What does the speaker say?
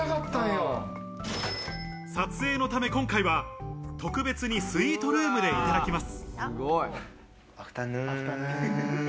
撮影のため今回は特別にスイートルームでいただきます。